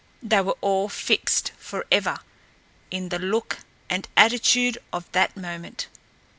They were all fixed forever in the look and attitude of that moment!